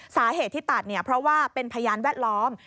สาเหตุที่ตัดเนี่ยเพราะว่าเป็นพยานแวดล้อม